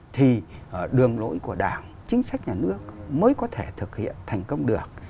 thì đường lối của đảng chính sách nhà nước mới có thể thực hiện thành công được